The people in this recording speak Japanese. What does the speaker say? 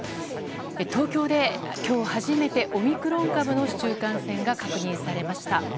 東京で今日初めてオミクロン株の市中感染が確認されました。